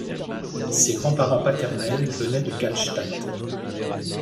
Ses grands-parents paternels venaient de Kallstadt.